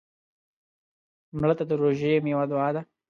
مړه ته د روژې میوه دعا ده